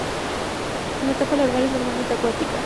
La etapa larval es normalmente acuática.